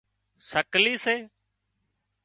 سڪلي سي